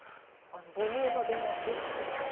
母乳の出も良くなりそう。